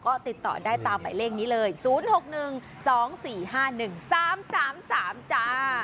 ก็ติดต่อได้ตามหมายเลขนี้เลย๐๖๑๒๔๕๑๓๓๓จ้า